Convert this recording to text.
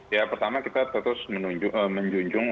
ya pertama kita terus menjunjung